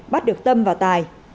bắt được tâm và tài